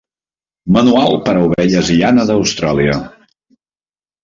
Manual per a ovelles i llana d'Austràlia.